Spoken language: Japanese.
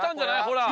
ほら！